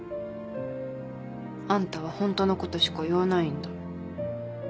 あんたはほんとのことしか言わないんだ。